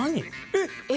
えっ！？